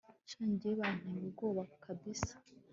sha njye banteye ubwoba kabsa